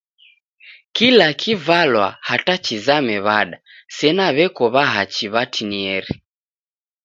Kila kivalwa hata chizame w'ada sena w'eko w'ahachi w'atinieri.